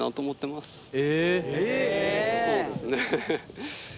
まあそうですね。